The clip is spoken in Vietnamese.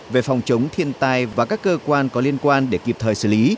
về phòng chống thiên tai và các cơ quan có liên quan để kịp thời xử lý